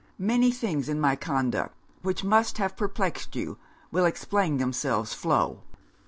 Many things in my conduct, which must have perplexed you, will explain themselves flow.